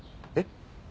えっ？